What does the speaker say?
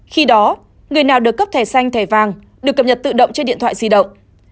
khi đó người nào được cấp thẻ xanh thẻ vàng được cập nhật tự động trên điện thoại di động